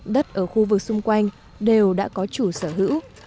đất ở khu vực xung quanh đều đã có chủ sở hữu